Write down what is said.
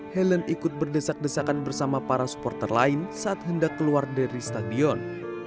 helen ikut berdesak desakan bersama para supporter lain saat hendak keluar dari stadion